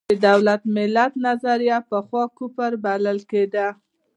د دولت–ملت نظریه پخوا کفر بلل کېده.